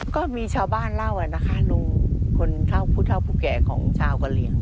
ก็มีชาวบ้านเล่านะคะลุงคนเท่าผู้เท่าผู้แก่ของชาวกะเหลี่ยง